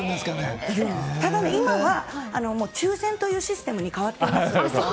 ただ、今は抽選というシステムに変わっていますので。